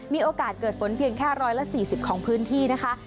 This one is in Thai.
มีโอกาสเกิดฝนเพียงแค่๑๔๐ของพื้นที่นะคะ